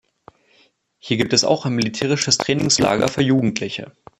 Hier gibt es auch ein militärisches Trainingslager für Jugendliche.